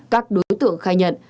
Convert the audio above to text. các đối tượng khai nhận